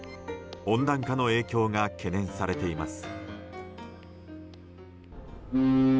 温暖化の影響が懸念されています。